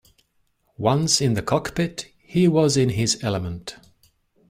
Once in the cockpit, he was in his element.